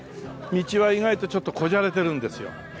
道は意外とちょっとこじゃれてるんですよ。